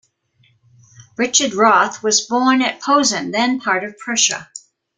Richard Rothe was born at Posen, then part of Prussia.